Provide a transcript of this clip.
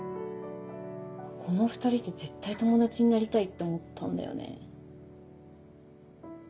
この２人と絶対友達になりたいって思ったんだよね。